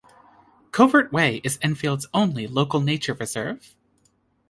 Covert Way is Enfield's only Local Nature Reserve.